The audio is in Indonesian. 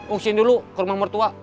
ngungsiin dulu ke rumah mertua